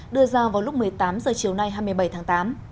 đưa ra vào lúc một mươi tám h chiều nay hai mươi bảy tháng tám